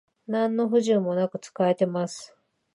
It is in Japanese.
なんの不自由もなく使えてます